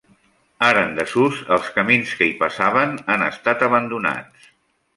Ara en desús, els camins que hi passaven han estat abandonats.